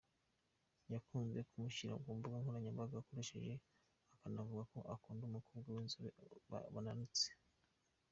Yakunze kumushyira ku mbuga nkoranyambaga akoresha akanavuga ko akunda abakobwa b’inzobe bananutse.